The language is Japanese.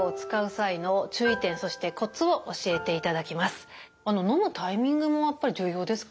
最後はのむタイミングもやっぱり重要ですか？